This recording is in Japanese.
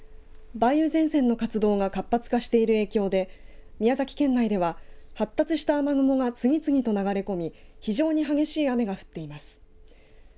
梅雨前線の活動が活発化している影響で宮崎県内では、発達した雨雲が次々と流れ込み非常に激しい雨が降っています。